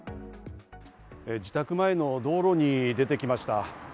自宅前の道路に出てきました。